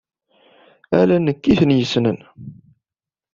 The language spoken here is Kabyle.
Ala nekk ay ten-yessnen.